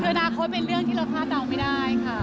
คืออนาคตเป็นเรื่องที่เราคาดเดาไม่ได้ค่ะ